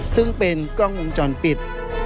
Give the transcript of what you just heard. ซึ่งเป็นกล้องวงจรปิด